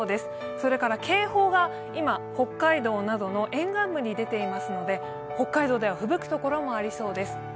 それから警報が今、北海道などの沿岸部に出ていますので、北海道ではふぶくところもありそうです。